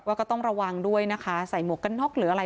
ก็ต้องระวังด้วยนะคะใส่หมวกกันน็อกหรืออะไร